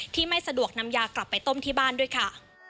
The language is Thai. ไม่สะดวกนำยากลับไปต้มที่บ้านด้วยค่ะ